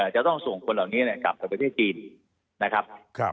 จะต้องส่งคนเหล่านี้กลับไปประเทศจีนนะครับ